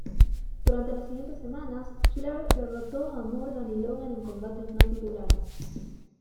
Durante las siguientes semanas, Flair derrotó a Morgan y Logan en combates no titulares.